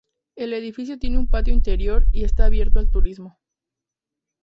El edificio tiene un patio interior y está abierto al turismo.